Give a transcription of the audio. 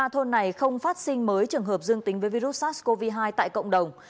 ba thôn này không phát sinh mới trường hợp dương tính với virus sars cov hai tại cộng đồng